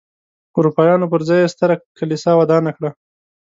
اروپایانو پر ځای یې ستره کلیسا ودانه کړه.